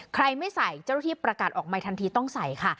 ไม่ใส่เจ้าหน้าที่ประกาศออกใหม่ทันทีต้องใส่ค่ะ